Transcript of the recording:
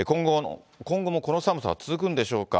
今後もこの寒さは続くんでしょうか。